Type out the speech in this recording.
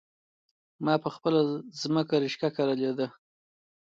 ما په خپله ځمکه رشکه کرلي دي